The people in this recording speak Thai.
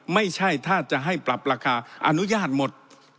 ไม่ใช่ถ้าจะให้ปรับราคาอนุญาตหมด